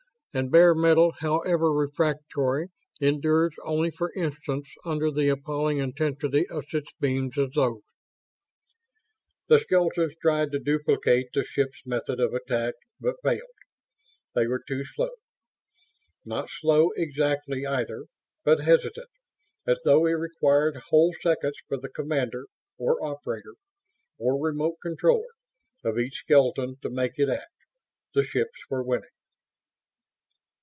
And bare metal, however refractory, endures only for instants under the appalling intensity of such beams as those. The skeletons tried to duplicate the ships' method of attack, but failed. They were too slow. Not slow, exactly, either, but hesitant; as though it required whole seconds for the commander or operator? Or remote controller? of each skeleton to make it act. The ships were winning.